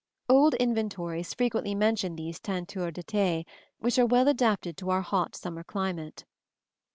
Old inventories frequently mention these tentures d'été, which are well adapted to our hot summer climate.